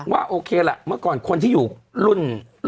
ว่าโอเคล่ะเมื่อก่อนคนที่อยู่รุ่น